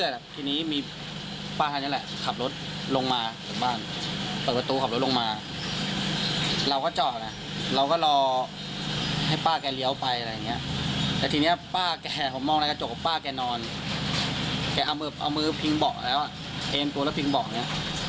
ได้ยอมมือปิงเบาะแล้วเจ้าเอนตัวแล้วปิงเบาะ